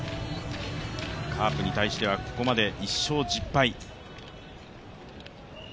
カープに対しては、ここまで１勝１０敗。